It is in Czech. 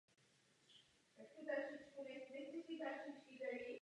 Autorem knihy je popularizátor paleontologie Vladimír Socha.